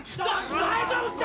大丈夫っすか！？